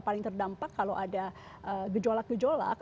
paling terdampak kalau ada gejolak gejolak